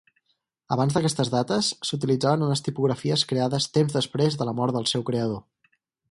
Abans d'aquestes dates s'utilitzaven unes tipografies creades temps després de la mort del seu creador.